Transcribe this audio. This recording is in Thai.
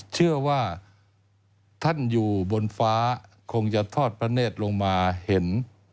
เชื่อว่าท่านอยู่บนฟ้าคงจะทอดพระเนธลงมาเห็น